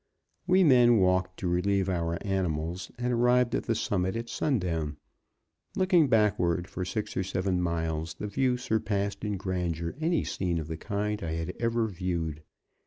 We men walked to relieve our animals and arrived at the summit at sundown. Looking backward, for six or seven miles the view surpassed in grandeur any scene of the kind I had ever viewed.